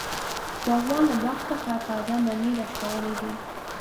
باغوان له باغ څخه تازه مڼی راشکولی دی.